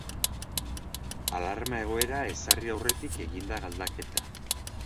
Alarma egoera ezarri aurretik egin da galdaketa.